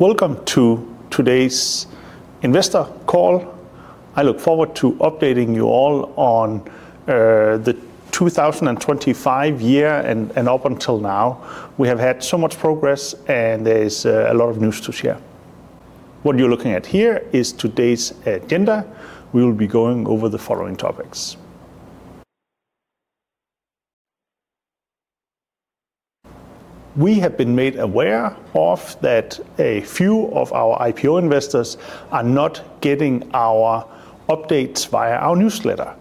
Welcome to today's investor call. I look forward to updating you all on 2025 and up until now, we have had so much progress and there's a lot of news to share. What you're looking at here is today's agenda. We will be going over the following topics. We have been made aware of that a few of our IPO investors are not getting our updates via our newsletter.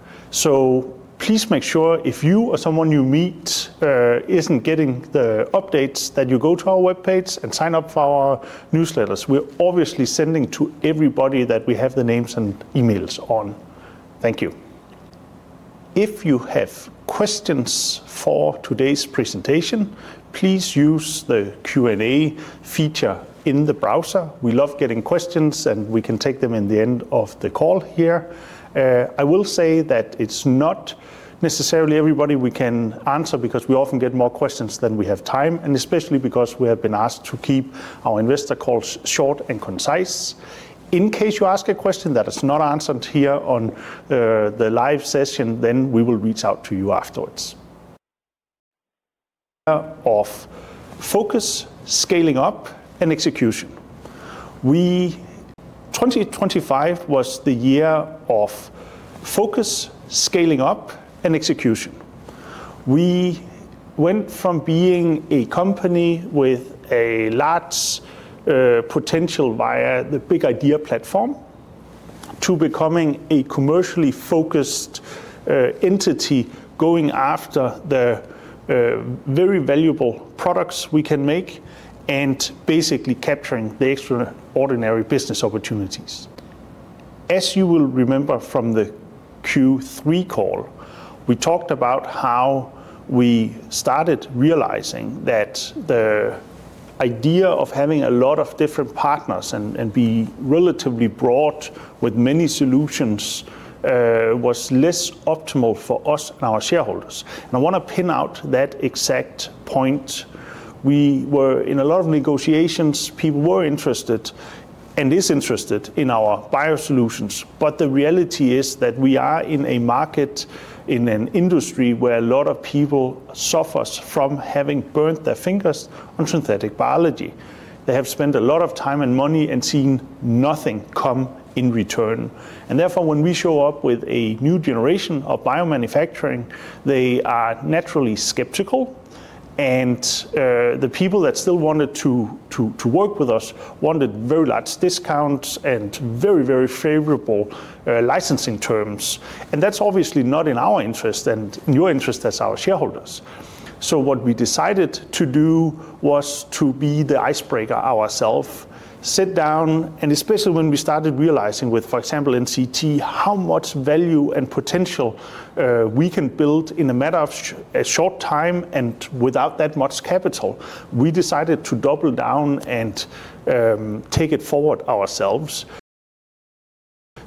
Please make sure if you or someone you meet isn't getting the updates, that you go to our webpage and sign up for our newsletters. We're obviously sending to everybody that we have the names and emails on. Thank you. If you have questions for today's presentation, please use the Q&A feature in the browser. We love getting questions, and we can take them in the end of the call here. I will say that it's not necessarily everybody we can answer because we often get more questions than we have time, and especially because we have been asked to keep our investor calls short and concise. In case you ask a question that is not answered here on the live session, then we will reach out to you afterwards. Our focus, scaling up and execution. 2025 was the year of focus, scaling up and execution. We went from being a company with a large potential via the big idea platform to becoming a commercially focused entity, going after the very valuable products we can make and basically capturing the extraordinary business opportunities. As you will remember from the Q3 call, we talked about how we started realizing that the idea of having a lot of different partners and be relatively broad with many solutions was less optimal for us and our shareholders. I want to point out that exact point. We were in a lot of negotiations. People were interested and is interested in our biosolutions, but the reality is that we are in a market, in an industry where a lot of people suffers from having burnt their fingers on synthetic biology. They have spent a lot of time and money and seen nothing come in return. Therefore, when we show up with a new generation of biomanufacturing, they are naturally skeptical. The people that still wanted to work with us wanted very large discounts and very, very favorable licensing terms. That's obviously not in our interest and your interest as our shareholders. What we decided to do was to be the icebreaker ourselves, sit down, and especially when we started realizing with, for example, NCT, how much value and potential we can build in a matter of a short time and without that much capital, we decided to double down and take it forward ourselves.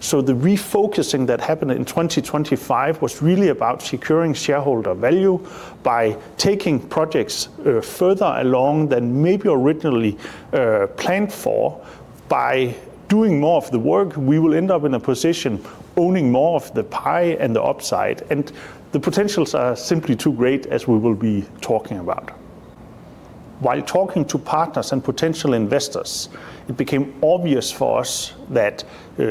The refocusing that happened in 2025 was really about securing shareholder value by taking projects further along than maybe originally planned for. By doing more of the work, we will end up in a position owning more of the pie and the upside, and the potentials are simply too great as we will be talking about. While talking to partners and potential investors, it became obvious for us that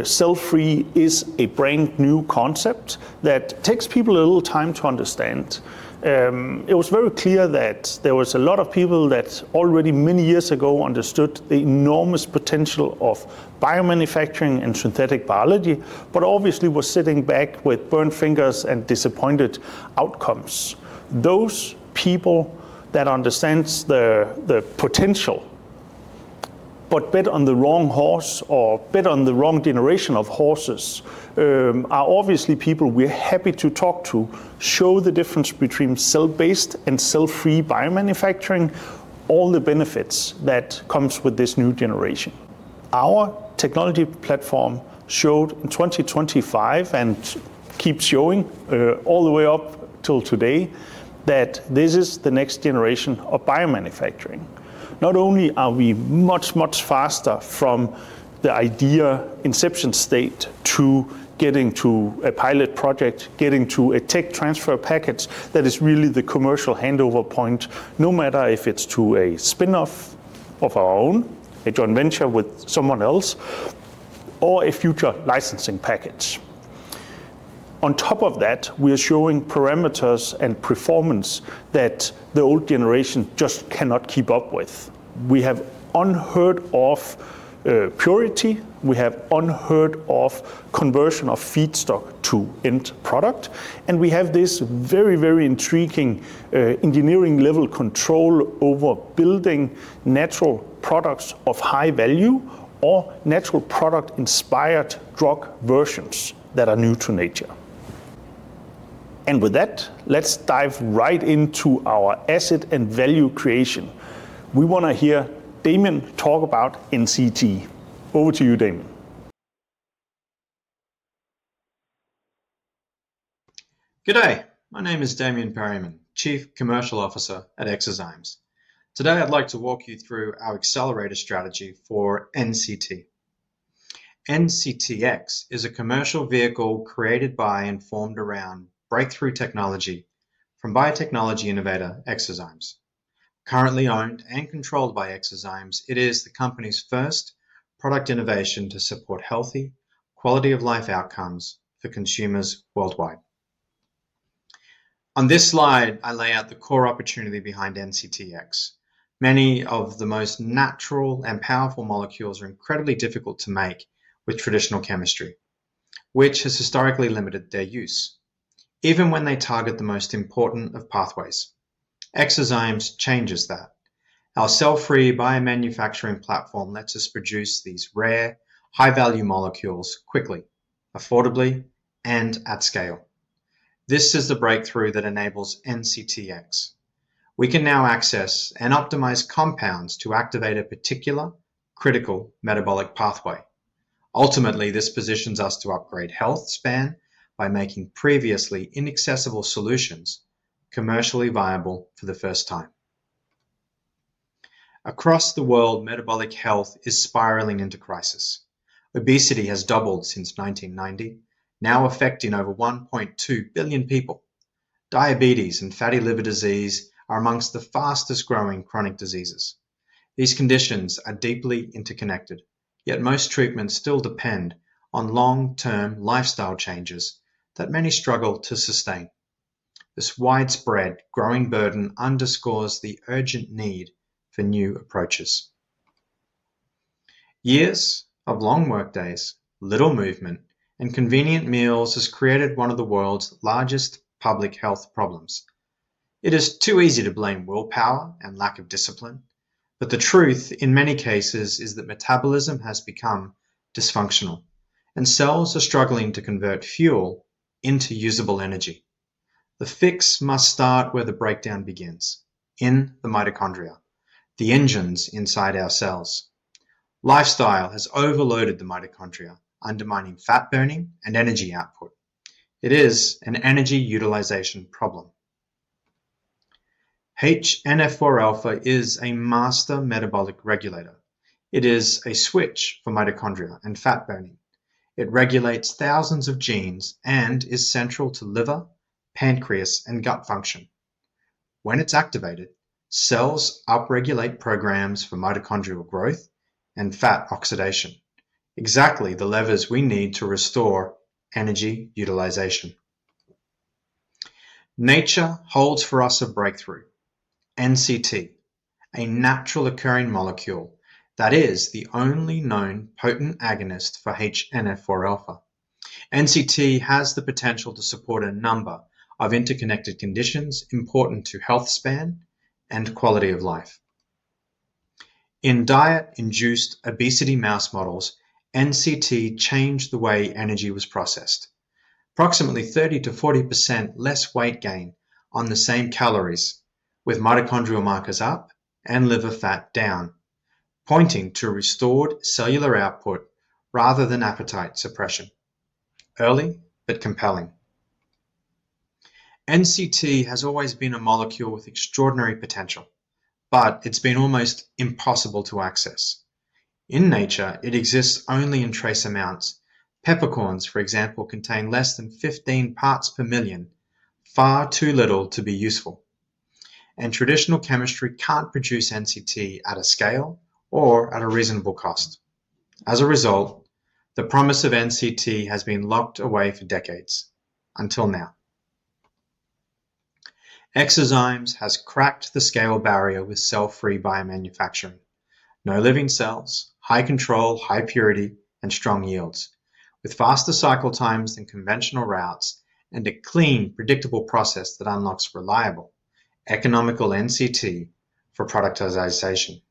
cell-free is a brand-new concept that takes people a little time to understand. It was very clear that there was a lot of people that already many years ago understood the enormous potential of biomanufacturing and synthetic biology, but obviously was sitting back with burnt fingers and disappointed outcomes. Those people that understand the potential but bet on the wrong horse or bet on the wrong generation of horses are obviously people we're happy to talk to, show the difference between cell-based and cell-free biomanufacturing, all the benefits that comes with this new generation. Our technology platform showed in 2025 and keeps showing all the way up till today that this is the next generation of biomanufacturing. Not only are we much, much faster from the idea inception state to getting to a pilot project, getting to a tech transfer package, that is really the commercial handover point, no matter if it's to a spin-off of our own, a joint venture with someone else or a future licensing package. On top of that, we are showing parameters and performance that the old generation just cannot keep up with. We have unheard of purity, we have unheard of conversion of feedstock to end product, and we have this very, very intriguing engineering-level control over building natural products of high value or natural product-inspired drug versions that are new to nature. With that, let's dive right into our asset and value creation. We want to hear Damien talk about NCT. Over to you, Damien. G'day. My name is Damien Perriman, Chief Commercial Officer at eXoZymes. Today I'd like to walk you through our accelerator strategy for NCT. NCTx is a commercial vehicle created by and formed around breakthrough technology from biotechnology innovator, eXoZymes. Currently owned and controlled by eXoZymes, it is the company's first product innovation to support healthy quality of life outcomes for consumers worldwide. On this slide, I lay out the core opportunity behind NCTx. Many of the most natural and powerful molecules are incredibly difficult to make with traditional chemistry, which has historically limited their use, even when they target the most important of pathways. eXoZymes changes that. Our cell-free biomanufacturing platform lets us produce these rare, high-value molecules quickly, affordably, and at scale. This is the breakthrough that enables NCTx. We can now access and optimize compounds to activate a particular critical metabolic pathway. Ultimately, this positions us to upgrade health span by making previously inaccessible solutions commercially viable for the first time. Across the world, metabolic health is spiraling into crisis. Obesity has doubled since 1990, now affecting over 1.2 billion people. Diabetes and fatty liver disease are among the fastest growing chronic diseases. These conditions are deeply interconnected, yet most treatments still depend on long-term lifestyle changes that many struggle to sustain. This widespread growing burden underscores the urgent need for new approaches. Years of long work days, little movement, and convenient meals has created one of the world's largest public health problems. It is too easy to blame willpower and lack of discipline, but the truth, in many cases, is that metabolism has become dysfunctional and cells are struggling to convert fuel into usable energy. The fix must start where the breakdown begins, in the mitochondria, the engines inside our cells. Lifestyle has overloaded the mitochondria, undermining fat burning and energy output. It is an energy utilization problem. HNF4α is a master metabolic regulator. It is a switch for mitochondria and fat burning. It regulates thousands of genes and is central to liver, pancreas, and gut function. When it's activated, cells upregulate programs for mitochondrial growth and fat oxidation, exactly the levers we need to restore energy utilization. Nature holds for us a breakthrough, NCT, a naturally occurring molecule that is the only known potent agonist for HNF4α. NCT has the potential to support a number of interconnected conditions important to health span and quality of life. In diet-induced obesity mouse models, NCT changed the way energy was processed. Approximately 30%-40% less weight gain on the same calories with mitochondrial markers up and liver fat down, pointing to restored cellular output rather than appetite suppression. Early, but compelling. NCT has always been a molecule with extraordinary potential, but it's been almost impossible to access. In nature, it exists only in trace amounts. Peppercorns, for example, contain less than 15 parts per million, far too little to be useful. Traditional chemistry can't produce NCT at a scale or at a reasonable cost. As a result, the promise of NCT has been locked away for decades, until now. eXoZymes has cracked the scale barrier with cell-free biomanufacturing. No living cells, high control, high purity, and strong yields. With faster cycle times than conventional routes and a clean, predictable process that unlocks reliable economical NCT for productization.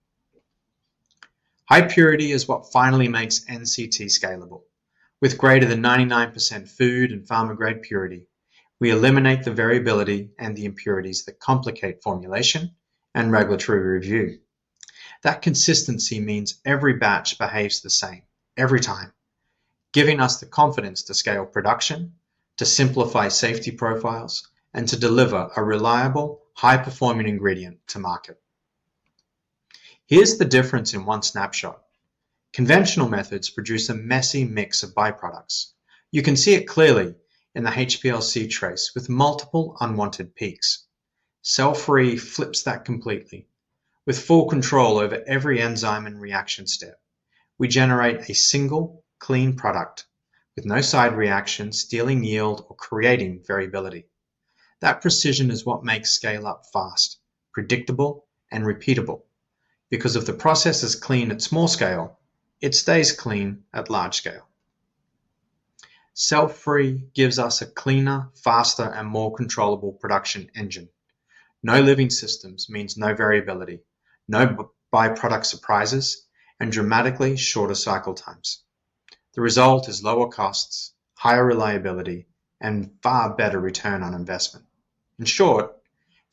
High purity is what finally makes NCT scalable. With greater than 99% food and pharma grade purity, we eliminate the variability and the impurities that complicate formulation and regulatory review. That consistency means every batch behaves the same every time, giving us the confidence to scale production, to simplify safety profiles, and to deliver a reliable, high-performing ingredient to market. Here's the difference in one snapshot. Conventional methods produce a messy mix of byproducts. You can see it clearly in the HPLC trace with multiple unwanted peaks. cell-free flips that completely. With full control over every enzyme and reaction step, we generate a single clean product with no side reactions stealing yield or creating variability. That precision is what makes scale-up fast, predictable, and repeatable. Because if the process is clean at small scale, it stays clean at large scale. cell-free gives us a cleaner, faster, and more controllable production engine. No living systems means no variability, no byproduct surprises, and dramatically shorter cycle times. The result is lower costs, higher reliability, and far better return on investment. In short,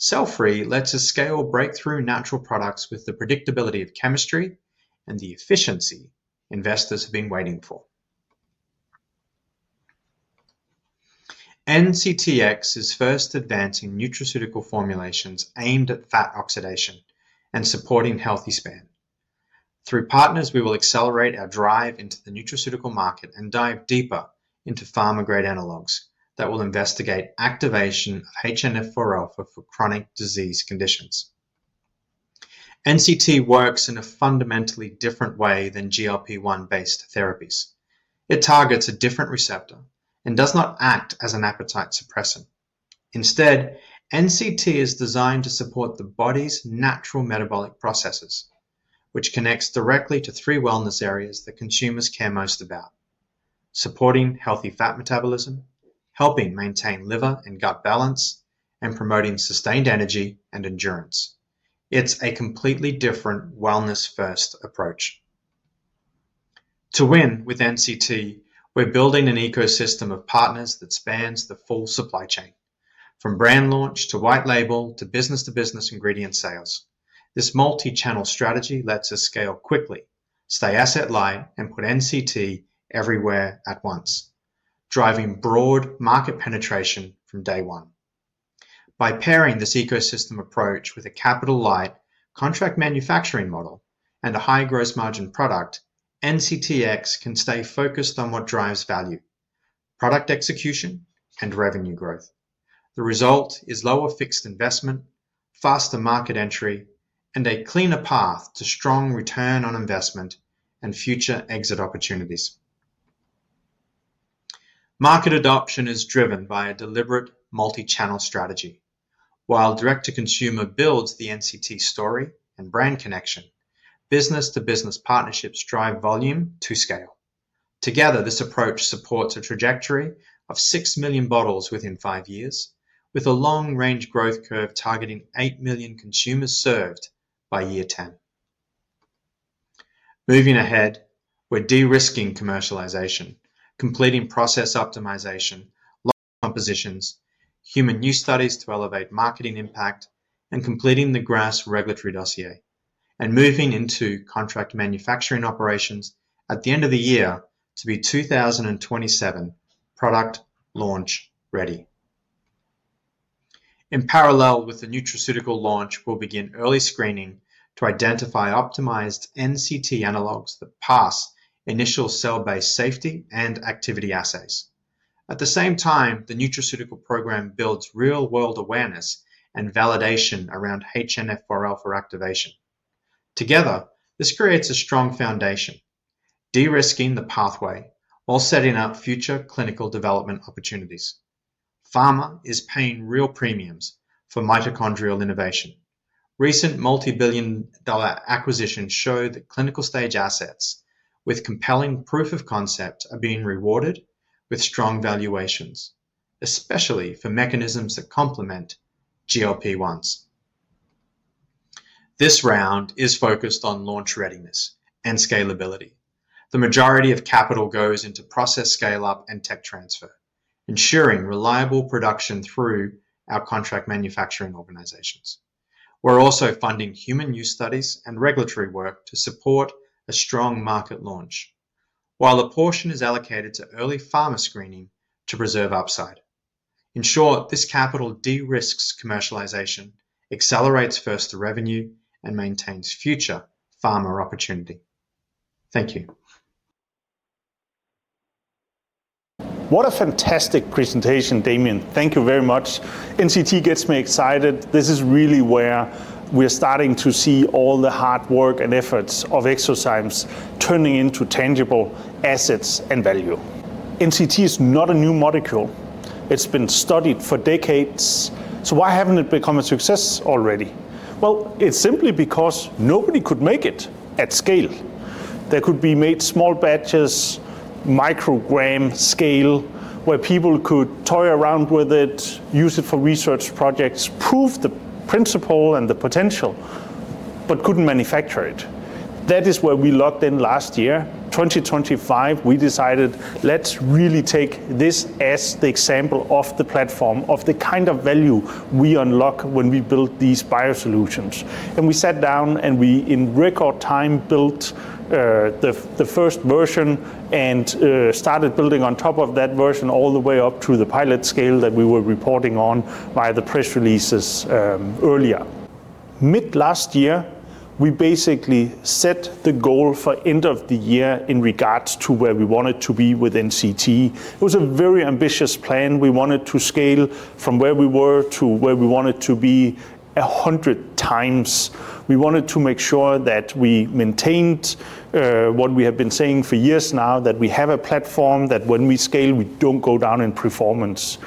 cell-free lets us scale breakthrough natural products with the predictability of chemistry and the efficiency investors have been waiting for. NCTx is first advancing nutraceutical formulations aimed at fat oxidation and supporting healthy span. Through partners, we will accelerate our drive into the nutraceutical market and dive deeper into pharma-grade analogs that will investigate activation of HNF4α for chronic disease conditions. NCT works in a fundamentally different way than GLP-1 based therapies. It targets a different receptor and does not act as an appetite suppressant. Instead, NCT is designed to support the body's natural metabolic processes, which connects directly to three wellness areas that consumers care most about, supporting healthy fat metabolism, helping maintain liver and gut balance, and promoting sustained energy and endurance. It's a completely different wellness-first approach. To win with NCT, we're building an ecosystem of partners that spans the full supply chain, from brand launch to white label to business-to-business ingredient sales. This multi-channel strategy lets us scale quickly, stay asset light, and put NCT everywhere at once, driving broad market penetration from day one. By pairing this ecosystem approach with a capital light contract manufacturing model and a high gross margin product, NCTx can stay focused on what drives value, product execution, and revenue growth. The result is lower fixed investment, faster market entry, and a cleaner path to strong return on investment and future exit opportunities. Market adoption is driven by a deliberate multi-channel strategy. While direct-to-consumer builds the NCT story and brand connection, business-to-business partnerships drive volume to scale. Together, this approach supports a trajectory of 6 million bottles within five years, with a long-range growth curve targeting 8 million consumers served by year 10. Moving ahead, we're de-risking commercialization, completing process optimization, long compositions, human use studies to elevate marketing impact, and completing the GRAS regulatory dossier, and moving into contract manufacturing operations at the end of the year to be 2027 product launch ready. In parallel with the nutraceutical launch, we'll begin early screening to identify optimized NCT analogs that pass initial cell-based safety and activity assays. At the same time, the nutraceutical program builds real-world awareness and validation around HNF4α activation. Together, this creates a strong foundation, de-risking the pathway while setting up future clinical development opportunities. Pharma is paying real premiums for mitochondrial innovation. Recent multi-billion-dollar acquisitions show that clinical stage assets with compelling proof of concept are being rewarded with strong valuations, especially for mechanisms that complement GLP-1s. This round is focused on launch readiness and scalability. The majority of capital goes into process scale-up and tech transfer, ensuring reliable production through our contract manufacturing organizations. We're also funding human use studies and regulatory work to support a strong market launch, while a portion is allocated to early pharma screening to preserve upside. In short, this capital de-risks commercialization, accelerates first to revenue, and maintains future pharma opportunity. Thank you. What a fantastic presentation, Damien. Thank you very much. NCT gets me excited. This is really where we're starting to see all the hard work and efforts of eXoZymes turning into tangible assets and value. NCT is not a new molecule. It's been studied for decades. Why haven't it become a success already? Well, it's simply because nobody could make it at scale. There could be made small batches, microgram scale, where people could toy around with it, use it for research projects, prove the principle and the potential, but couldn't manufacture it. That is where we locked in last year. 2025, we decided, let's really take this as the example of the platform of the kind of value we unlock when we build these biosolutions. We sat down and we, in record time, built the first version and started building on top of that version all the way up to the pilot scale that we were reporting on via the press releases earlier. Mid last year, we basically set the goal for end of the year in regards to where we wanted to be with NCT. It was a very ambitious plan. We wanted to scale from where we were to where we wanted to be 100 times. We wanted to make sure that we maintained what we have been saying for years now, that we have a platform that when we scale, we don't go down in performance.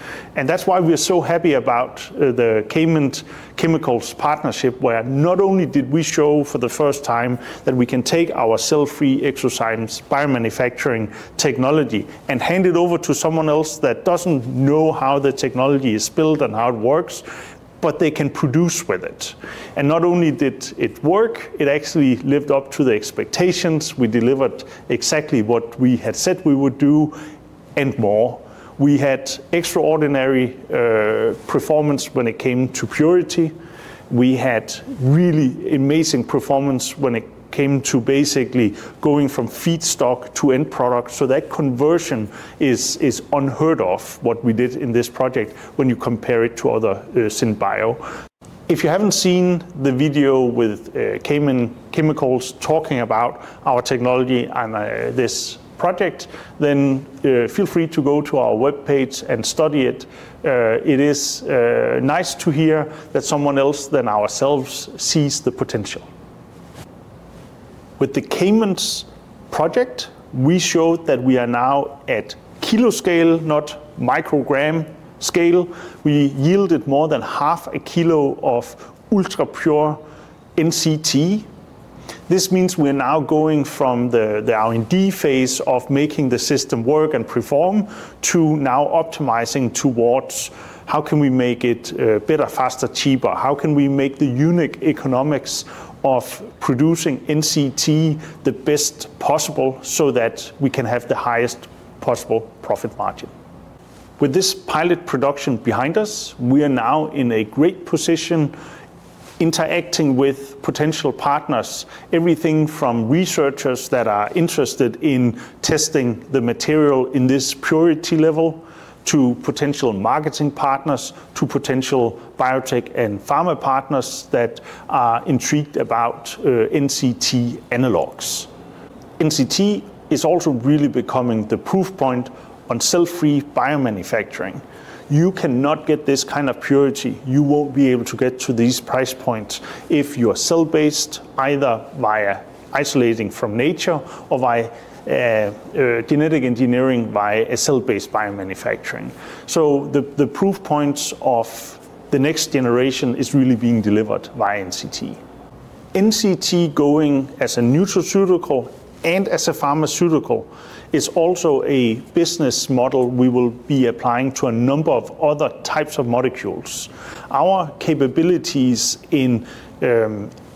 That's why we're so happy about the Cayman Chemical partnership, where not only did we show for the first time that we can take our cell-free eXoZymes biomanufacturing technology and hand it over to someone else that doesn't know how the technology is built and how it works, but they can produce with it. Not only did it work, it actually lived up to the expectations. We delivered exactly what we had said we would do. More. We had extraordinary performance when it came to purity. We had really amazing performance when it came to basically going from feedstock to end product. That conversion is unheard of, what we did in this project when you compare it to other synbio. If you haven't seen the video with Cayman Chemical talking about our technology and this project, then feel free to go to our webpage and study it. It is nice to hear that someone else than ourselves sees the potential. With the Cayman project, we showed that we are now at kilo scale, not microgram scale. We yielded more than half a kilo of ultra-pure NCT. This means we're now going from the R&D phase of making the system work and perform to now optimizing towards how can we make it better, faster, cheaper? How can we make the unique economics of producing NCT the best possible so that we can have the highest possible profit margin? With this pilot production behind us, we are now in a great position interacting with potential partners. Everything from researchers that are interested in testing the material in this purity level to potential marketing partners, to potential biotech and pharma partners that are intrigued about NCT analogues. NCT is also really becoming the proof point on cell-free biomanufacturing. You cannot get this kind of purity, you won't be able to get to these price points if you are cell-based, either via isolating from nature or by genetic engineering via a cell-based biomanufacturing. The proof points of the next generation is really being delivered by NCT. NCT going as a nutraceutical and as a pharmaceutical is also a business model we will be applying to a number of other types of molecules. Our capabilities in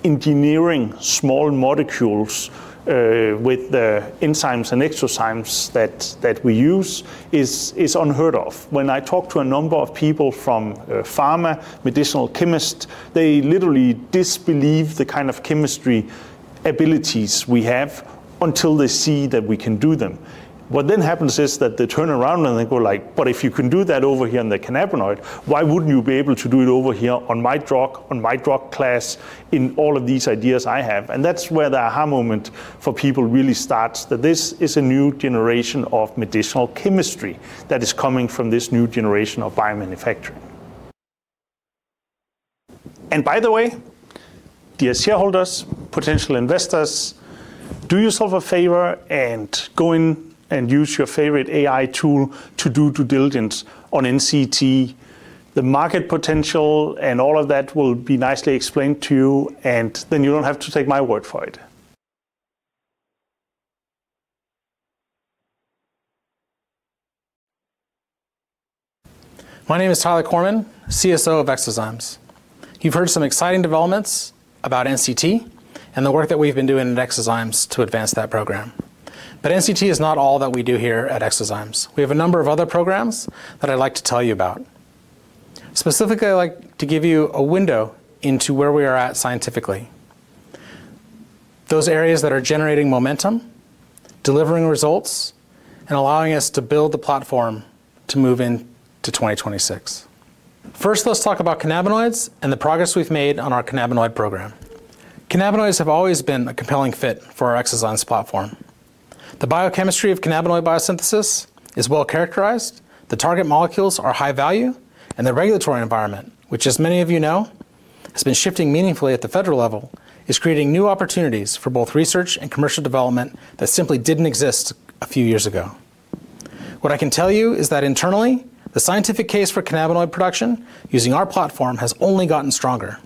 engineering small molecules with the enzymes and eXoZymes that we use is unheard of. When I talk to a number of people from pharma, medicinal chemists, they literally disbelieve the kind of chemistry abilities we have until they see that we can do them. What then happens is that they turn around, and they go like, "But if you can do that over here in the cannabinoid, why wouldn't you be able to do it over here on my drug, on my drug class, in all of these ideas I have?" That's where the aha moment for people really starts, that this is a new generation of medicinal chemistry that is coming from this new generation of biomanufacturing. By the way, dear shareholders, potential investors, do yourself a favor and go in and use your favorite AI tool to do due diligence on NCT. The market potential and all of that will be nicely explained to you, and then you don't have to take my word for it. My name is Tyler Korman, CSO of eXoZymes. You've heard some exciting developments about NCT and the work that we've been doing at eXoZymes to advance that program. NCT is not all that we do here at eXoZymes. We have a number of other programs that I'd like to tell you about. Specifically, I'd like to give you a window into where we are at scientifically, those areas that are generating momentum, delivering results, and allowing us to build the platform to move into 2026. First, let's talk about cannabinoids and the progress we've made on our cannabinoid program. Cannabinoids have always been a compelling fit for our eXoZymes platform. The biochemistry of cannabinoid biosynthesis is well-characterized. The target molecules are high value, and the regulatory environment, which as many of you know, has been shifting meaningfully at the federal level, is creating new opportunities for both research and commercial development that simply didn't exist a few years ago. What I can tell you is that internally, the scientific case for cannabinoid production using our platform has only gotten stronger.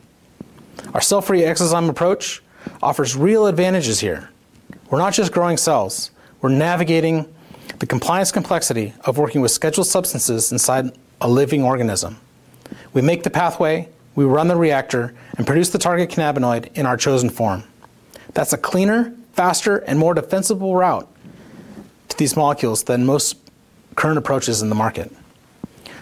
Our cell-free eXoZyme approach offers real advantages here. We're not just growing cells, we're navigating the compliance complexity of working with scheduled substances inside a living organism. We make the pathway, we run the reactor, and produce the target cannabinoid in our chosen form. That's a cleaner, faster, and more defensible route to these molecules than most current approaches in the market.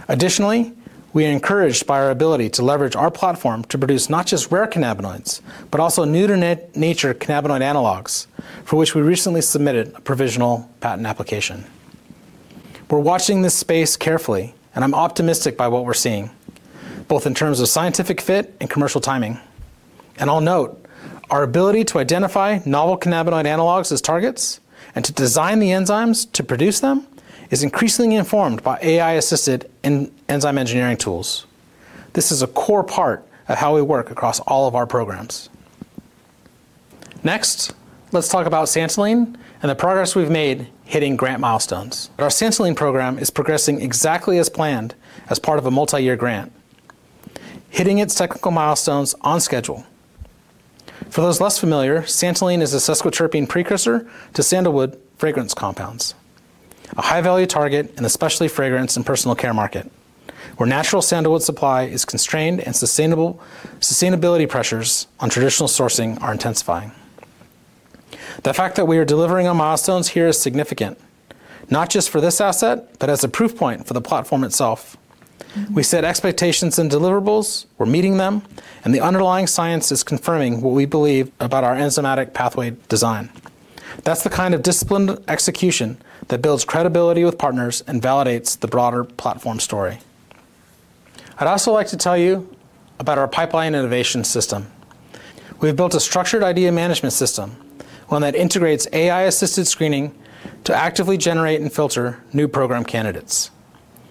Additionally, we are encouraged by our ability to leverage our platform to produce not just rare cannabinoids, but also new to nature cannabinoid analogues, for which we recently submitted a provisional patent application. We're watching this space carefully, and I'm optimistic by what we're seeing, both in terms of scientific fit and commercial timing. I'll note, our ability to identify novel cannabinoid analogues as targets and to design the enzymes to produce them is increasingly informed by AI-assisted enzyme engineering tools. This is a core part of how we work across all of our programs. Next, let's talk about santalene and the progress we've made hitting grant milestones. Our santalene program is progressing exactly as planned as part of a multi-year grant, hitting its technical milestones on schedule. For those less familiar, santalene is a sesquiterpene precursor to sandalwood fragrance compounds, a high-value target in the specialty fragrance and personal care market, where natural sandalwood supply is constrained and sustainability pressures on traditional sourcing are intensifying. The fact that we are delivering on milestones here is significant, not just for this asset, but as a proof point for the platform itself. We set expectations and deliverables, we're meeting them, and the underlying science is confirming what we believe about our enzymatic pathway design. That's the kind of disciplined execution that builds credibility with partners and validates the broader platform story. I'd also like to tell you about our pipeline innovation system. We've built a structured idea management system, one that integrates AI-assisted screening to actively generate and filter new program candidates.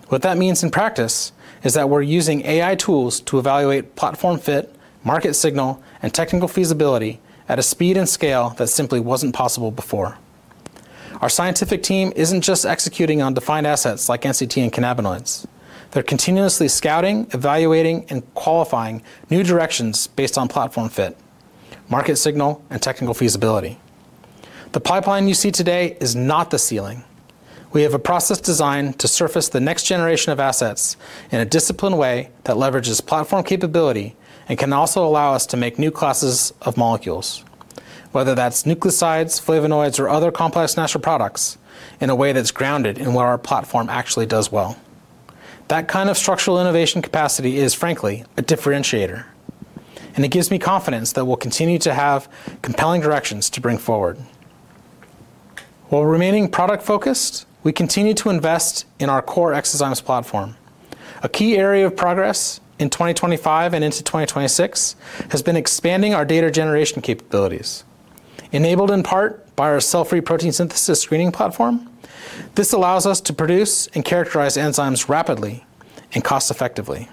What that means in practice is that we're using AI tools to evaluate platform fit, market signal, and technical feasibility at a speed and scale that simply wasn't possible before. Our scientific team isn't just executing on defined assets like NCT and cannabinoids. They're continuously scouting, evaluating, and qualifying new directions based on platform fit, market signal, and technical feasibility. The pipeline you see today is not the ceiling. We have a process designed to surface the next generation of assets in a disciplined way that leverages platform capability and can also allow us to make new classes of molecules, whether that's nucleosides, flavonoids, or other complex natural products, in a way that's grounded in what our platform actually does well. That kind of structural innovation capacity is, frankly, a differentiator, and it gives me confidence that we'll continue to have compelling directions to bring forward. While remaining product-focused, we continue to invest in our core eXoZymes platform. A key area of progress in 2025 and into 2026 has been expanding our data generation capabilities, enabled in part by our cell-free protein synthesis screening platform. This allows us to produce and characterize enzymes rapidly and cost-effectively.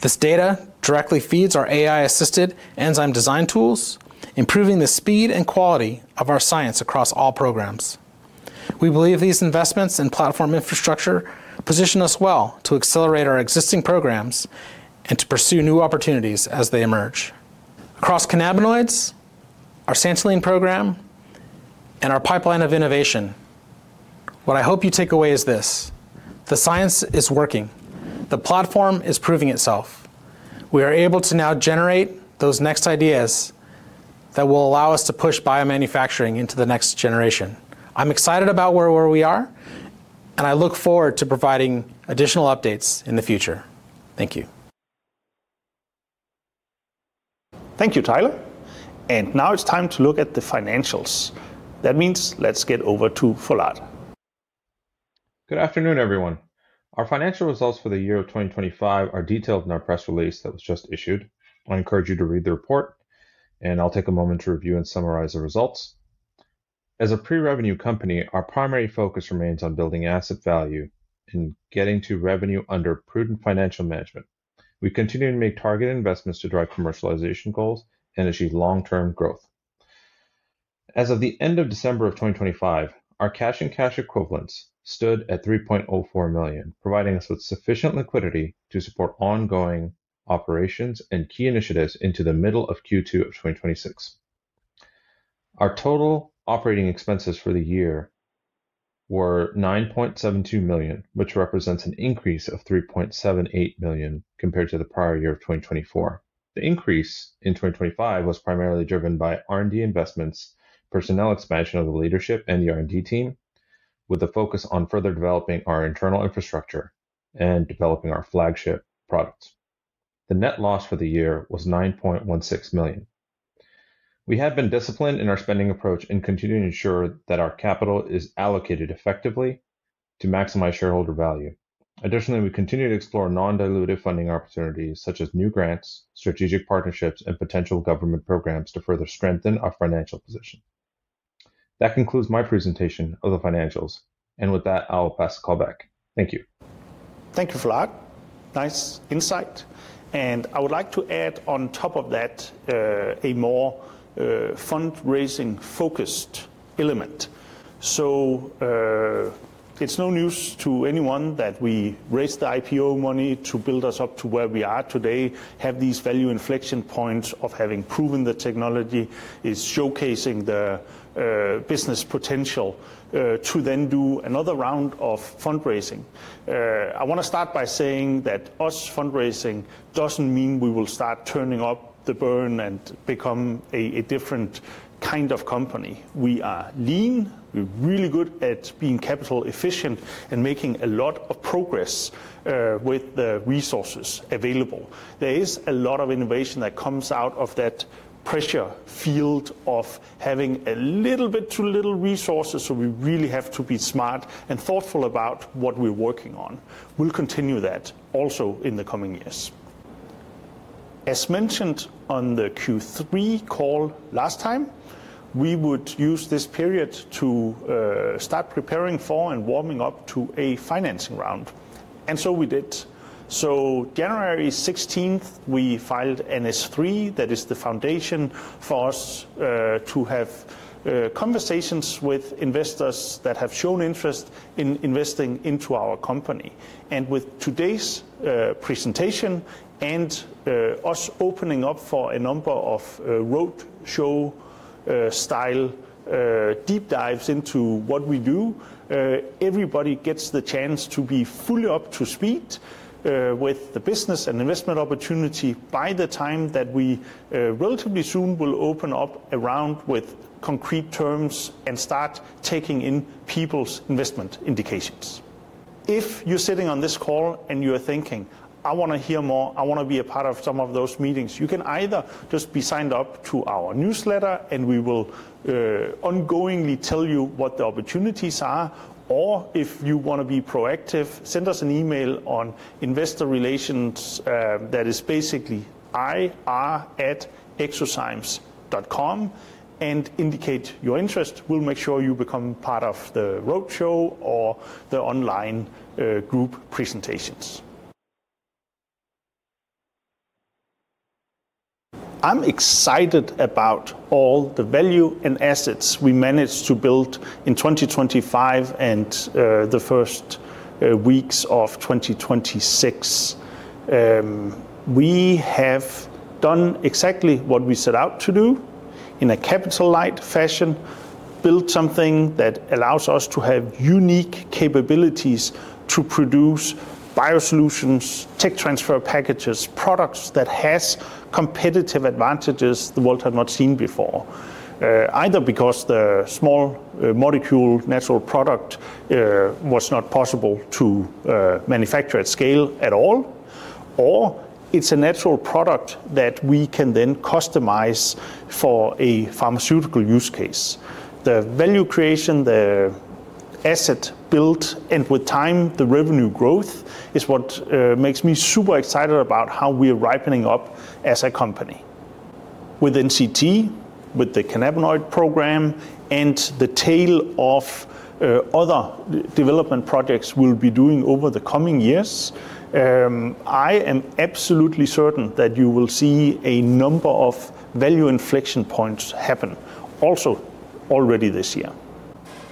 This data directly feeds our AI-assisted enzyme design tools, improving the speed and quality of our science across all programs. We believe these investments in platform infrastructure position us well to accelerate our existing programs and to pursue new opportunities as they emerge. Across cannabinoids, our santalene program, and our pipeline of innovation, what I hope you take away is this. The science is working. The platform is proving itself. We are able to now generate those next ideas that will allow us to push biomanufacturing into the next generation. I'm excited about where we are, and I look forward to providing additional updates in the future. Thank you. Thank you, Tyler. Now it's time to look at the financials. That means let's get over to Vlad. Good afternoon, everyone. Our financial results for the year of 2025 are detailed in our press release that was just issued. I encourage you to read the report, and I'll take a moment to review and summarize the results. As a pre-revenue company, our primary focus remains on building asset value and getting to revenue under prudent financial management. We continue to make targeted investments to drive commercialization goals and achieve long-term growth. As of the end of December of 2025, our cash and cash equivalents stood at $3.04 million, providing us with sufficient liquidity to support ongoing operations and key initiatives into the middle of Q2 of 2026. Our total operating expenses for the year were $9.72 million, which represents an increase of $3.78 million compared to the prior year of 2024. The increase in 2025 was primarily driven by R&D investments, personnel expansion of the leadership and the R&D team, with a focus on further developing our internal infrastructure and developing our flagship products. The net loss for the year was $9.16 million. We have been disciplined in our spending approach and continue to ensure that our capital is allocated effectively to maximize shareholder value. Additionally, we continue to explore non-dilutive funding opportunities such as new grants, strategic partnerships, and potential government programs to further strengthen our financial position. That concludes my presentation of the financials, and with that, I'll pass the call back. Thank you. Thank you, Vlad. Nice insight. I would like to add on top of that a more fundraising-focused element. It's no news to anyone that we raised the IPO money to build us up to where we are today, have these value inflection points of having proven the technology, is showcasing the business potential to then do another round of fundraising. I wanna start by saying that us fundraising doesn't mean we will start turning up the burn and become a different kind of company. We are lean. We're really good at being capital efficient and making a lot of progress with the resources available. There is a lot of innovation that comes out of that pressure field of having a little bit too little resources. We really have to be smart and thoughtful about what we're working on. We'll continue that also in the coming years. As mentioned on the Q3 call last time, we would use this period to start preparing for and warming up to a financing round, and so we did. January 16, we filed S-3. That is the foundation for us to have conversations with investors that have shown interest in investing into our company and us opening up for a number of roadshow style deep dives into what we do, everybody gets the chance to be fully up to speed with the business and investment opportunity by the time that we relatively soon will open up a round with concrete terms and start taking in people's investment indications. If you're sitting on this call and you're thinking, I want to hear more, I want to be a part of some of those meetings, you can either just be signed up to our newsletter and we will ongoingly tell you what the opportunities are. If you want to be proactive, send us an email on investor relations, that is basically ir@exozymes.com and indicate your interest. We'll make sure you become part of the roadshow or the online group presentations. I'm excited about all the value and assets we managed to build in 2025 and the first weeks of 2026. We have done exactly what we set out to do in a capital-light fashion, built something that allows us to have unique capabilities to produce biosolutions, tech transfer packages, products that has competitive advantages the world had not seen before. Either because the small molecule natural product was not possible to manufacture at scale at all, or it's a natural product that we can then customize for a pharmaceutical use case. The value creation, the asset built, and with time, the revenue growth is what makes me super excited about how we are ramping up as a company. With NCT, with the cannabinoid program, and the tail of other development projects we'll be doing over the coming years, I am absolutely certain that you will see a number of value inflection points happen also already this year.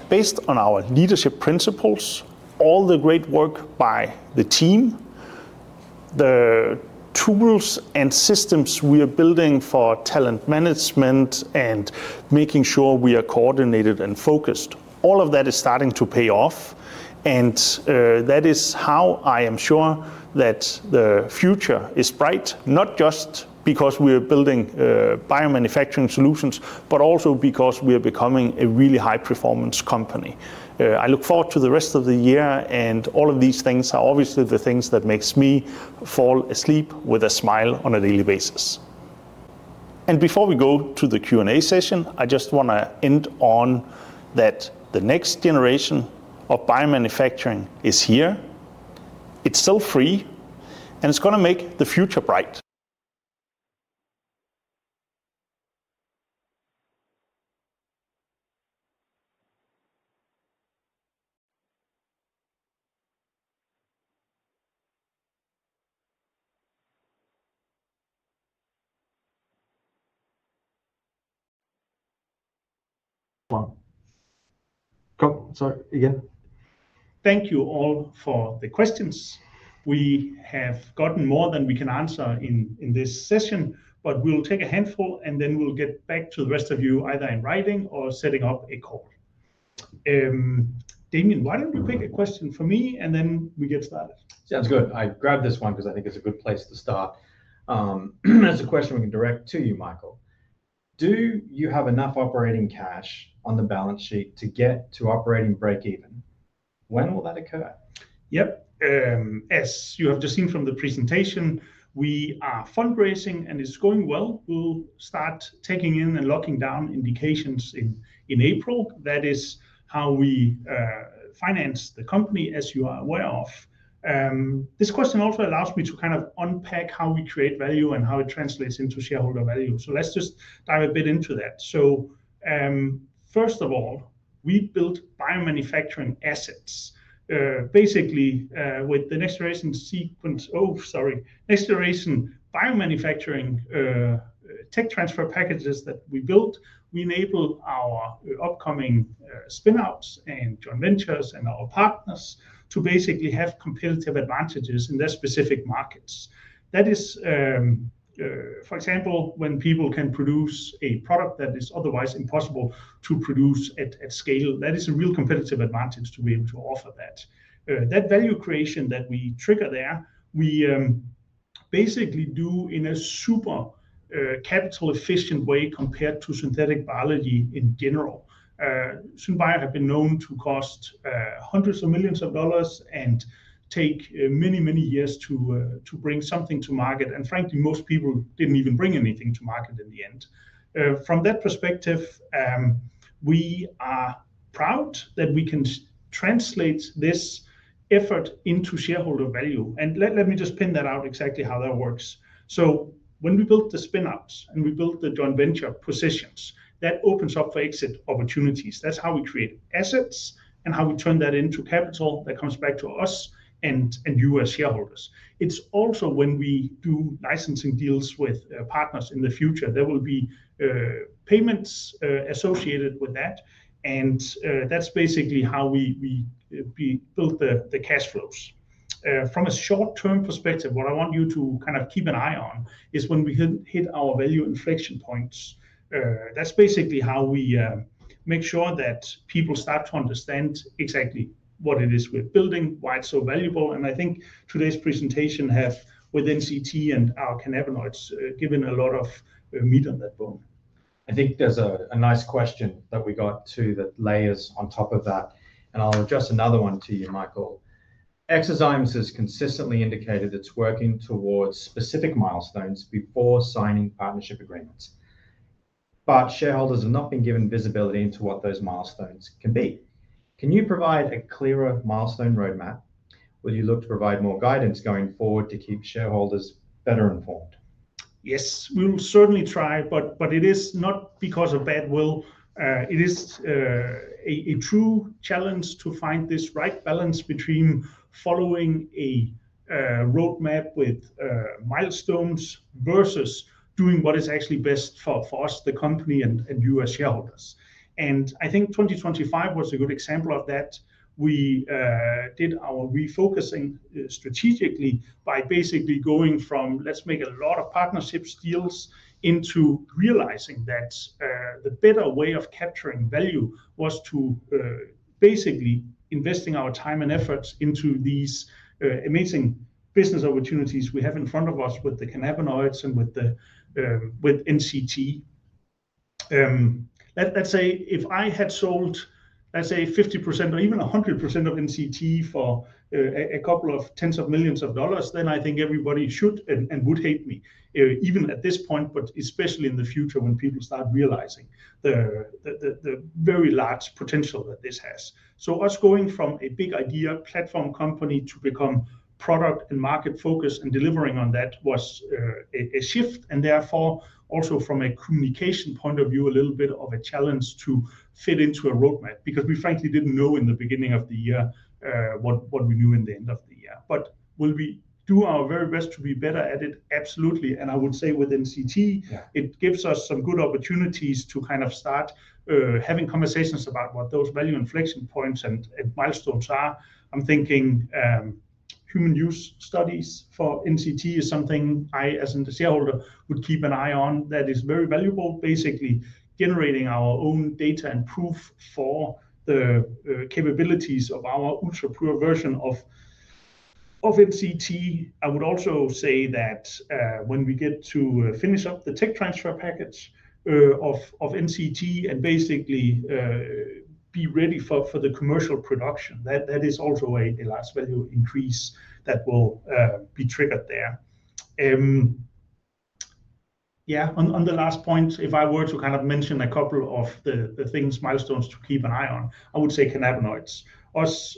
Based on our leadership principles, all the great work by the team, the tools and systems we are building for talent management, and making sure we are coordinated and focused, all of that is starting to pay off. That is how I am sure that the future is bright, not just because we are building biomanufacturing solutions, but also because we are becoming a really high-performance company. I look forward to the rest of the year, and all of these things are obviously the things that makes me fall asleep with a smile on a daily basis. Before we go to the Q&A session, I just want to end on that the next generation of biomanufacturing is here. It's cell-free, and it's going to make the future bright. Well, go. Sorry, again. Thank you all for the questions. We have gotten more than we can answer in this session, but we'll take a handful, and then we'll get back to the rest of you either in writing or setting up a call. Damien, why don't you pick a question for me, and then we get started? Sounds good. I grabbed this one because I think it's a good place to start. It's a question we can direct to you, Michael. Do you have enough operating cash on the balance sheet to get to operating break even? When will that occur? Yep. As you have just seen from the presentation, we are fundraising, and it's going well. We'll start taking in and locking down indications in April. That is how we finance the company, as you are aware of. This question also allows me to kind of unpack how we create value and how it translates into shareholder value. Let's just dive a bit into that. First of all, we built biomanufacturing assets, basically, with the next-generation biomanufacturing tech transfer packages that we built, we enable our upcoming spin-outs and joint ventures and our partners to basically have competitive advantages in their specific markets. That is, for example, when people can produce a product that is otherwise impossible to produce at scale, that is a real competitive advantage to be able to offer that. That value creation that we trigger there, we basically do in a super capital-efficient way compared to synthetic biology in general. Synbio have been known to cost hundreds of millions of dollars and take many, many years to bring something to market. Frankly, most people didn't even bring anything to market in the end. From that perspective, we are proud that we can translate this effort into shareholder value. Let me just point that out exactly how that works. When we built the spin-outs and we built the joint venture positions, that opens up for exit opportunities. That's how we create assets and how we turn that into capital that comes back to us and you as shareholders. It's also when we do licensing deals with partners in the future. There will be payments associated with that, and that's basically how we build the cash flows. From a short-term perspective, what I want you to kind of keep an eye on is when we hit our value inflection points. That's basically how we make sure that people start to understand exactly what it is we're building, why it's so valuable. I think today's presentation have, with NCT and our cannabinoids, given a lot of meat on that bone. I think there's a nice question that we got too that layers on top of that, and I'll address another one to you, Michael. eXoZymes has consistently indicated it's working towards specific milestones before signing partnership agreements. Shareholders have not been given visibility into what those milestones can be. Can you provide a clearer milestone roadmap? Will you look to provide more guidance going forward to keep shareholders better informed? Yes, we'll certainly try, but it is not because of bad will. It is a true challenge to find this right balance between following a roadmap with milestones versus doing what is actually best for us, the company, and you as shareholders. I think 2025 was a good example of that. We did our refocusing strategically by basically going from, "Let's make a lot of partnerships deals," into realizing that the better way of capturing value was to basically investing our time and efforts into these amazing business opportunities we have in front of us with the cannabinoids and with NCT. Let's say if I had sold, let's say 50% or even 100% of NCT for a couple of tens of millions of dollars, then I think everybody should and would hate me, even at this point, but especially in the future when people start realizing the very large potential that this has. Us going from a big idea platform company to become product and market-focused and delivering on that was a shift and therefore also from a communication point of view, a little bit of a challenge to fit into a roadmap because we frankly didn't know in the beginning of the year, what we knew in the end of the year. Will we do our very best to be better at it? Absolutely. I would say with NCT— Yeah It gives us some good opportunities to kind of start having conversations about what those value inflection points and milestones are. I'm thinking human use studies for NCT is something I as in the shareholder would keep an eye on that is very valuable, basically generating our own data and proof for the capabilities of our ultra pure version of NCT. I would also say that when we get to finish up the tech transfer package of NCT and basically be ready for the commercial production, that is also a large value increase that will be triggered there. Yeah, on the last point, if I were to kind of mention a couple of the things, milestones to keep an eye on, I would say cannabinoids. Us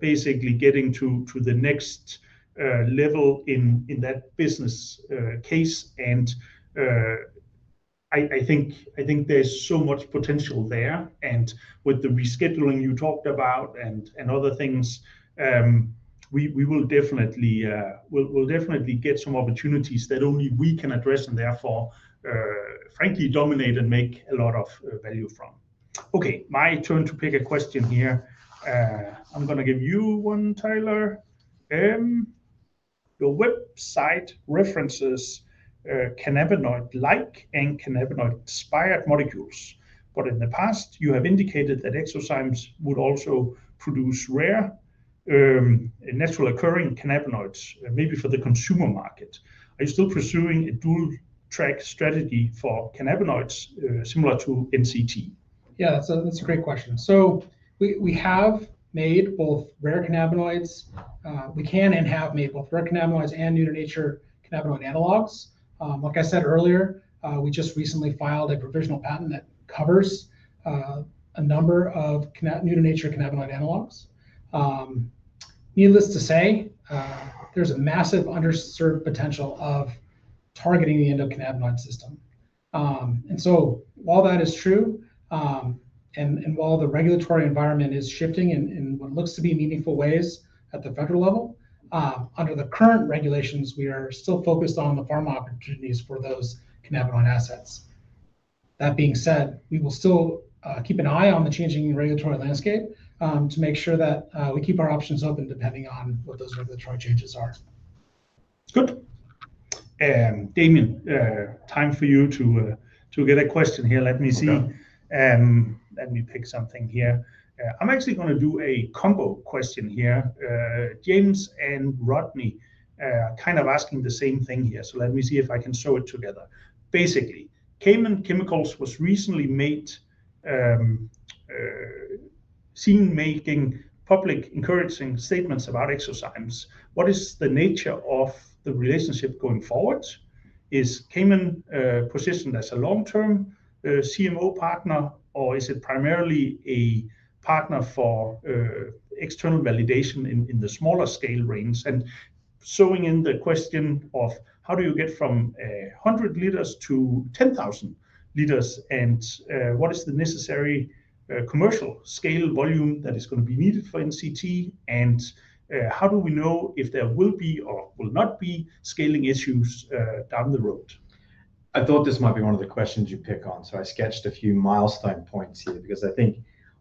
basically getting to the next level in that business case and I think there's so much potential there, and with the rescheduling you talked about and other things, we will definitely get some opportunities that only we can address and therefore frankly dominate and make a lot of value from. Okay, my turn to pick a question here. I'm gonna give you one, Tyler. Your website references cannabinoid-like and cannabinoid-inspired molecules, but in the past, you have indicated that eXoZymes would also produce rare naturally occurring cannabinoids maybe for the consumer market. Are you still pursuing a dual-track strategy for cannabinoids similar to NCT? Yeah. That's a great question. We have made both rare cannabinoids. We can and have made both rare cannabinoids and new-to-nature cannabinoid analogs. Like I said earlier, we just recently filed a provisional patent that covers a number of new-to-nature cannabinoid analogs. Needless to say, there's a massive underserved potential of targeting the endocannabinoid system. While that is true, while the regulatory environment is shifting in what looks to be meaningful ways at the federal level, under the current regulations, we are still focused on the pharma opportunities for those cannabinoid assets. That being said, we will still keep an eye on the changing regulatory landscape to make sure that we keep our options open depending on what those regulatory changes are. That's good. Damien, time for you to get a question here. Let me see. Okay. Let me pick something here. I'm actually gonna do a combo question here. James and Rodney are kind of asking the same thing here, so let me see if I can sew it together. Basically, Cayman Chemical was recently seen making public encouraging statements about eXoZymes. What is the nature of the relationship going forward? Is Cayman positioned as a long-term CMO partner, or is it primarily a partner for external validation in the smaller scale range? Sewing in the question of how do you get from 100 L to 10,000 L, and what is the necessary commercial scale volume that is gonna be needed for NCT, and how do we know if there will be or will not be scaling issues down the road? I thought this might be one of the questions you'd pick on, so I sketched a few milestone points here because I think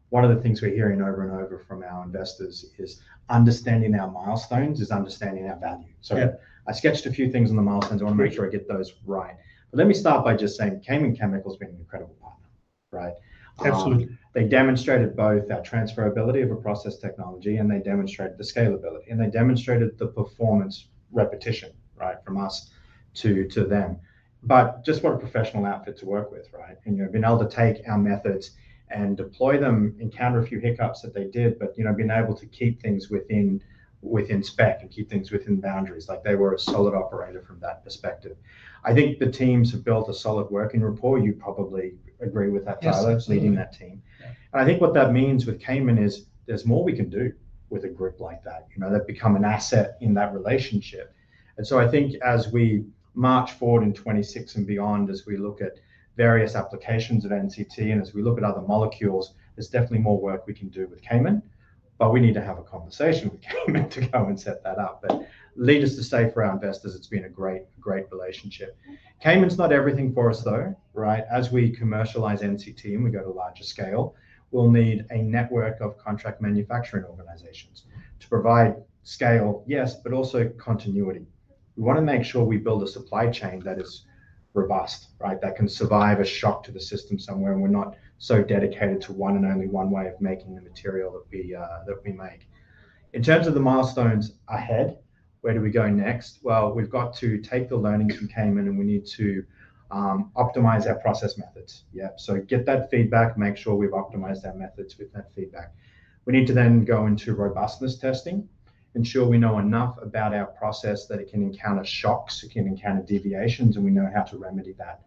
one of the things we're hearing over and over from our investors is understanding our milestones is understanding our value. Yeah. I sketched a few things on the milestones. Great. I wanna make sure I get those right. Let me start by just saying Cayman Chemical's been an incredible partner. Right. Absolutely. They demonstrated both our transferability of a process technology, and they demonstrated the scalability, and they demonstrated the performance repetition, right, from us to them. Just what a professional outfit to work with, right? You know, being able to take our methods and deploy them, encounter a few hiccups that they did, but, you know, being able to keep things within spec and keep things within boundaries. Like, they were a solid operator from that perspective. I think the teams have built a solid working rapport. You probably agree with that. Yes. Absolutely. Tyler, leading that team. I think what that means with Cayman is there's more we can do with a group like that, you know, that become an asset in that relationship. I think as we march forward in 2026 and beyond, as we look at various applications of NCT and as we look at other molecules, there's definitely more work we can do with Cayman. We need to have a conversation with Cayman to come and set that up. Let me state for our investors, it's been a great relationship. Cayman's not everything for us though, right? As we commercialize NCT and we go to larger scale, we'll need a network of contract manufacturing organizations to provide scale, yes, but also continuity. We wanna make sure we build a supply chain that is robust, right? That can survive a shock to the system somewhere, and we're not so dedicated to one and only one way of making the material that we make. In terms of the milestones ahead, where do we go next? Well, we've got to take the learnings from Cayman Chemical, and we need to optimize our process methods. Yeah. Get that feedback, make sure we've optimized our methods with that feedback. We need to then go into robustness testing, ensure we know enough about our process that it can encounter shocks, it can encounter deviations, and we know how to remedy that.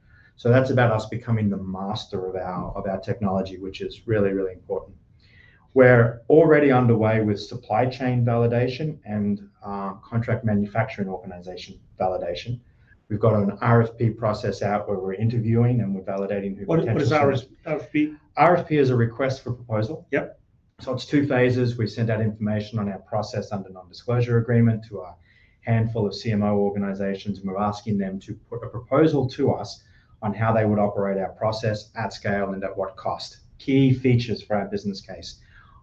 That's about us becoming the master of our technology, which is really, really important. We're already underway with supply chain validation and contract manufacturing organization validation. We've got an RFP process out where we're interviewing and we're validating who— What is RFP? RFP is a request for proposal. Yep. It's two phases. We send out information on our process under nondisclosure agreement to a handful of CMO organizations, and we're asking them to put a proposal to us on how they would operate our process at scale and at what cost. Key features for our business case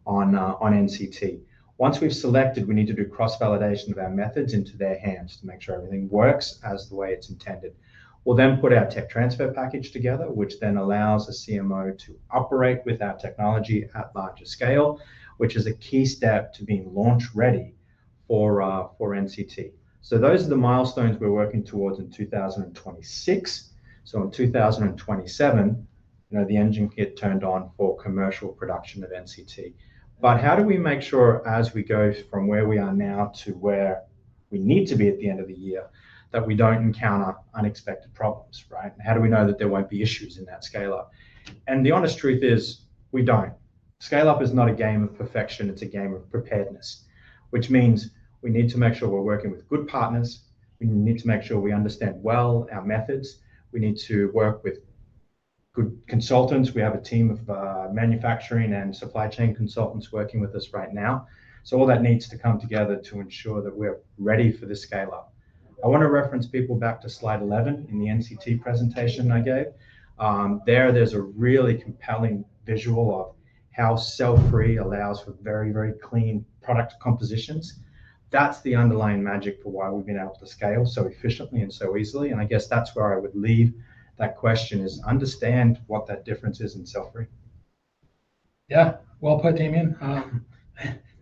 on NCT. Once we've selected, we need to do cross-validation of our methods into their hands to make sure everything works as the way it's intended. We'll then put our tech transfer package together, which then allows the CMO to operate with our technology at larger scale, which is a key step to being launch ready for NCT. Those are the milestones we're working towards in 2026. In 2027, you know, the engine get turned on for commercial production of NCT. How do we make sure as we go from where we are now to where we need to be at the end of the year, that we don't encounter unexpected problems, right? How do we know that there won't be issues in that scale up? The honest truth is, we don't. Scale up is not a game of perfection, it's a game of preparedness, which means we need to make sure we're working with good partners, we need to make sure we understand well our methods, we need to work with good consultants. We have a team of manufacturing and supply chain consultants working with us right now. All that needs to come together to ensure that we're ready for the scale up. I wanna reference people back to slide 11 in the NCT presentation I gave. There's a really compelling visual of how cell-free allows for very clean product compositions. That's the underlying magic for why we've been able to scale so efficiently and so easily, and I guess that's where I would leave that question, is understand what that difference is in cell-free. Yeah. Well put, Damien.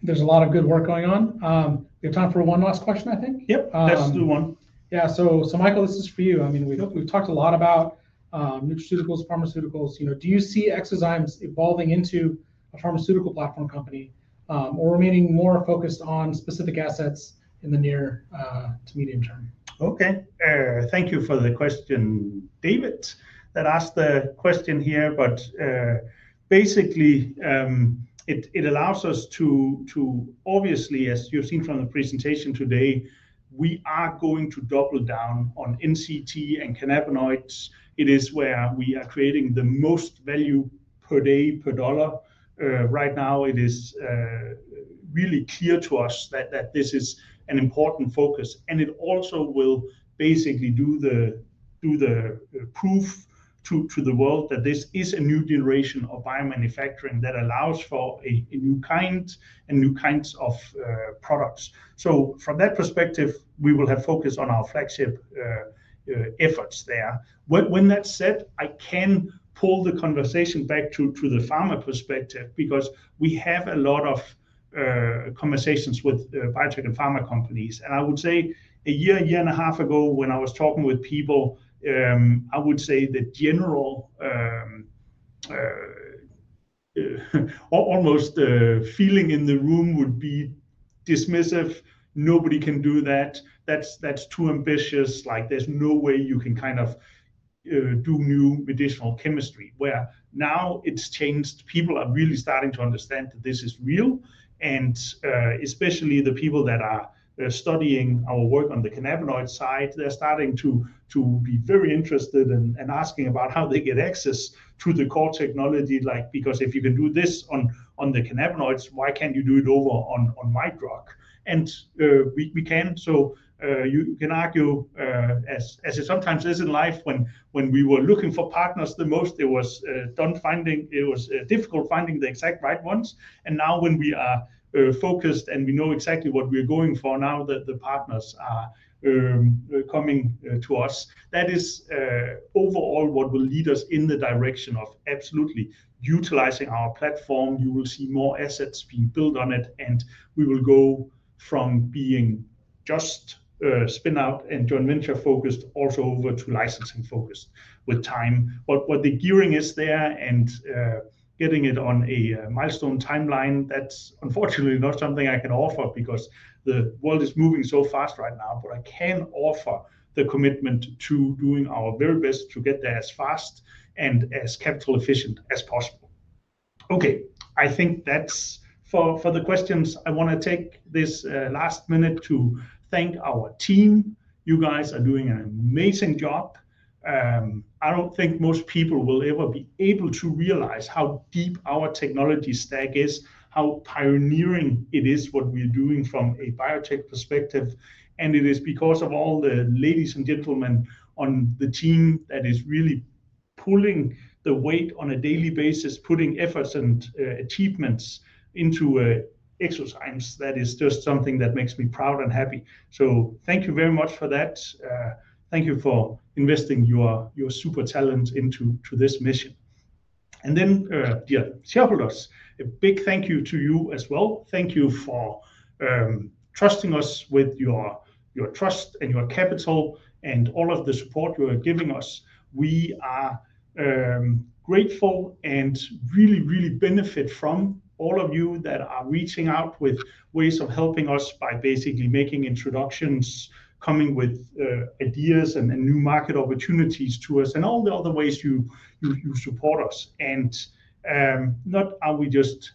There's a lot of good work going on. We have time for one last question, I think. Yep. Um- Let's do one. Yeah. Michael, this is for you. I mean, we— Yep —we've talked a lot about nutraceuticals, pharmaceuticals, you know. Do you see eXoZymes evolving into a pharmaceutical platform company, or remaining more focused on specific assets in the near to medium term? Okay. Thank you for the question, David, that asked the question here. Basically, it allows us to obviously, as you've seen from the presentation today, we are going to double down on NCT and cannabinoids. It is where we are creating the most value per day per dollar. Right now it is really clear to us that this is an important focus, and it also will basically do the proof to the world that this is a new generation of biomanufacturing that allows for a new kind and new kinds of products. From that perspective, we will have focus on our flagship efforts there. When that's said, I can pull the conversation back to the pharma perspective because we have a lot of conversations with biotech and pharma companies. I would say a year and a half ago when I was talking with people, I would say the general almost feeling in the room would be dismissive. Nobody can do that. That's too ambitious. Like, there's no way you can kind of do new medicinal chemistry. Where now it's changed. People are really starting to understand that this is real, and especially the people that are studying our work on the cannabinoid side. They're starting to be very interested and asking about how they get access to the core technology. Like, because if you can do this on the cannabinoids, why can't you do it over on my drug? We can. You can argue, as it sometimes is in life, when we were looking for partners the most, it was difficult finding the exact right ones. Now when we are focused and we know exactly what we're going for, now the partners are coming to us. That is overall what will lead us in the direction of absolutely utilizing our platform. You will see more assets being built on it, and we will go from being just a spin-out and joint venture focused also over to licensing focused with time. What the gearing is there and getting it on a milestone timeline, that's unfortunately not something I can offer because the world is moving so fast right now. I can offer the commitment to doing our very best to get there as fast and as capital efficient as possible. Okay. I think that's for the questions. I wanna take this last minute to thank our team. You guys are doing an amazing job. I don't think most people will ever be able to realize how deep our technology stack is, how pioneering it is, what we're doing from a biotech perspective, and it is because of all the ladies and gentlemen on the team that is really pulling the weight on a daily basis, putting efforts and achievements into eXoZymes. That is just something that makes me proud and happy. Thank you very much for that. Thank you for investing your super talent into this mission. Dear shareholders, a big thank you to you as well. Thank you for trusting us with your trust and your capital and all of the support you are giving us. We are grateful and really benefit from all of you that are reaching out with ways of helping us by basically making introductions, coming with ideas and new market opportunities to us, and all the other ways you support us. Not are we just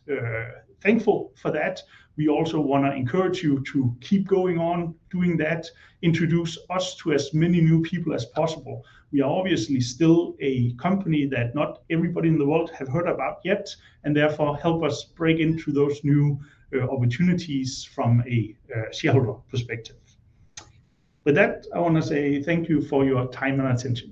thankful for that, we also wanna encourage you to keep going on doing that. Introduce us to as many new people as possible. We are obviously still a company that not everybody in the world have heard about yet, and therefore help us break into those new opportunities from a shareholder perspective. With that, I wanna say thank you for your time and attention.